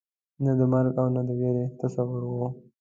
نه د مرګ او نه د وېرې تصور وو.